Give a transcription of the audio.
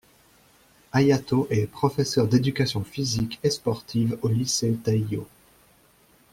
Hayato est professeur d'éducation physique et sportive au lycée Taiyo.